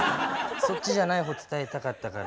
そっちじゃない方伝えたかったから。